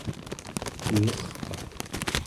ulerpak